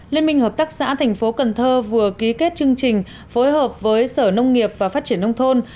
liên minh hợp tác xã tp cn vừa ký kết chương trình phối hợp với sở nông nghiệp và phát triển nông thôn